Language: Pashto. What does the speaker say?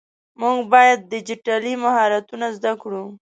مونږ باید ډيجيټلي مهارتونه زده کړو.